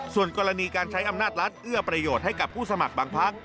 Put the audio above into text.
ส่วนกรณีการใช้อำนาจรัฐเอื้อประโยชน์ให้กับผู้สมัครบางพัก